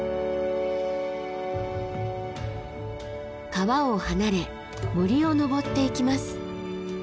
川を離れ森を登っていきます。